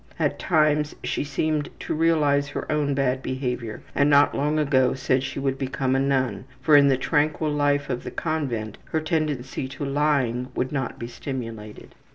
At times she seems to realize her own bad behavior, and not long ago said she would become a nun, for in the tranquil life of the convent her tendency to lying would not be stimulated.